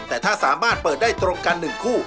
แต่ถ้าสามารถเปิดได้ตรงกัน๑คู่